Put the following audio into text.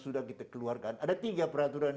sudah kita keluarkan ada tiga peraturan